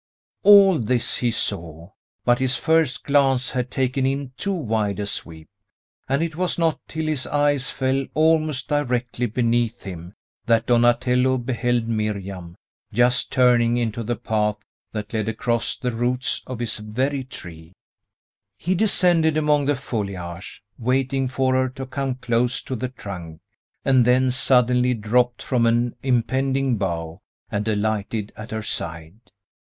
All this he saw, but his first glance had taken in too wide a sweep, and it was not till his eyes fell almost directly beneath him, that Donatello beheld Miriam just turning into the path that led across the roots of his very tree. He descended among the foliage, waiting for her to come close to the trunk, and then suddenly dropped from an impending bough, and alighted at her side.